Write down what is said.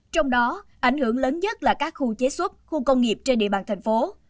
trong đó ảnh hưởng lớn nhất là các khu chế xuất khu công nghiệp trên địa bàn thành phố